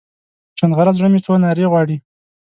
چونغره زړه مې څو نارې غواړي